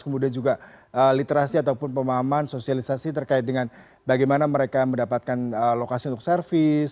kemudian juga literasi ataupun pemahaman sosialisasi terkait dengan bagaimana mereka mendapatkan lokasi untuk servis